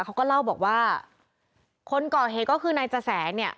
เขาก็เล่าบอกว่าคนก่อเหตุก็คือนายจะแสงเนี่ย